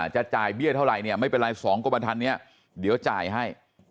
จะจ่ายเบี้ยเท่าไหร่เนี่ยไม่เป็นไร๒กรมทันเนี่ยเดี๋ยวจ่ายให้